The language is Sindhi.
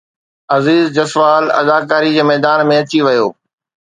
عزير جسوال اداڪاري جي ميدان ۾ اچي ويو